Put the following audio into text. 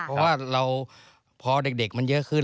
เพราะว่าเราพอเด็กมันเยอะขึ้น